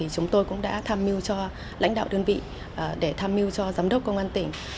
chúng tôi cũng đã tham mưu cho lãnh đạo đơn vị để tham mưu cho giám đốc công an tỉnh